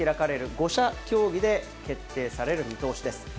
５者協議で決定される見通しです。